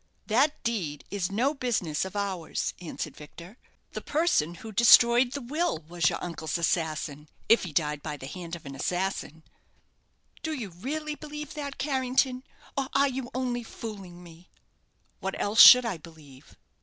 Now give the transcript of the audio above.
"That deed is no business of ours," answered Victor; "the person who destroyed the will was your uncle's assassin, if he died by the hand of an assassin." "Do you really believe that, Carrington; or are you only fooling me?" "What else should I believe?"